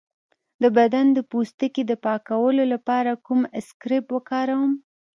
د بدن د پوستکي د پاکولو لپاره کوم اسکراب وکاروم؟